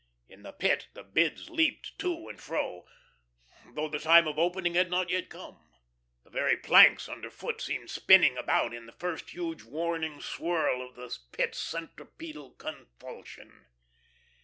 In the Pit the bids leaped to and fro, though the time of opening had not yet come; the very planks under foot seemed spinning about in the first huge warning swirl of the Pit's centripetal convulsion.